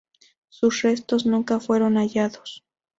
Sus restos nunca fueron hallados.